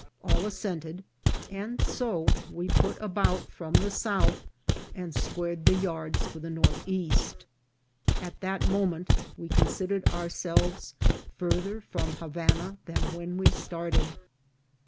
All assented, and so we put about from the south and squared the yards for the northeast. At that moment we considered ourselves farther from Ha vana than when we started.